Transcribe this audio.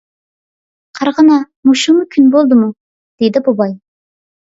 — قارىغىنا، مۇشۇمۇ كۈن بولدىمۇ؟ — دېدى بوۋاي.